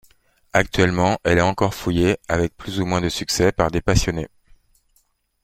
Actuellement elle est encore fouillée, avec plus ou moins de succès, par des passionnés.